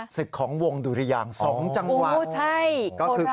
ศธของวงดุริยางสองจังหวัง